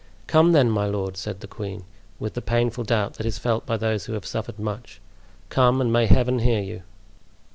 "Come then, my lord," said the queen, with the painful doubt that is felt by those who have suffered much; "come, and may Heaven hear you."